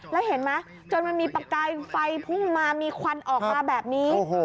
แล้วเห็นไหมจนมันมีประกายไฟพุ่งมามีควันออกมาแบบนี้